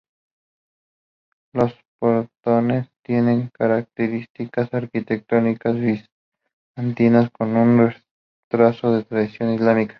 Los portones tienen características arquitectónicas bizantinas, con un rastro de tradición islámica.